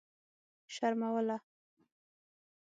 شر ملوه.